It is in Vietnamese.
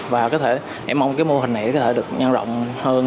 và em mong cái mô hình này có thể được nhanh rộng hơn